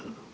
oh gitu ya